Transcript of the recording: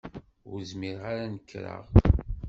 Ur zmireɣ ad nekreɣ.